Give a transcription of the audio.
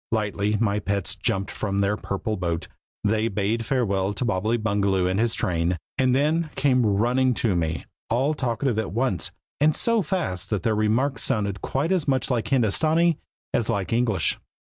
Lightly my pets jumped from their purple boat; they bade farewell to Bobbily Bungaloo and his train, and then came running to me, all talking at once, and so fast that their remarks sounded quite as much like Hindostanee as like English.